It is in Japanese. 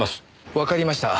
わかりました。